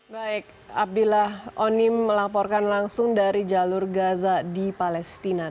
baik abdillah onim melaporkan langsung dari jalur gaza di palestina